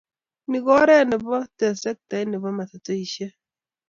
Ni ko oret nebo tes sekta nebo matatusyek.